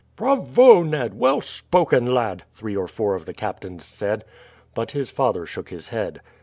"Bravo, Ned! Well spoken, lad!" three or four of the captains said; but his father shook his head.